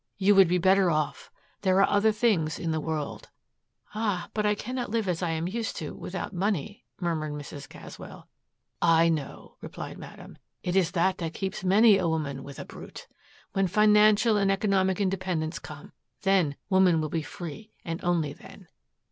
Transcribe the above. You would be better off. There are other things in the world " "Ah, but I cannot live as I am used to without money," murmured Mrs. Caswell. "I know," replied Madame. "It is that that keeps many a woman with a brute. When financial and economic independence come, then woman will be free and only then.